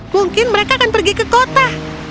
mungkin mereka akan pergi ke kota